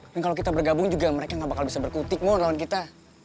dan kalo kita bergabung juga mereka gak bakal bisa berkutik mon lawan kita